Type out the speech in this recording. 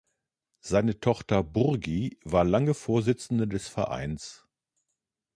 Seine Tochter Burgi war lange Vorsitzende des Vereins.